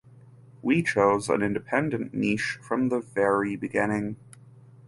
We chose an independent niche from the very beginning.